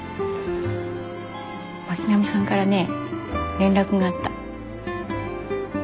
巻上さんからね連絡があった。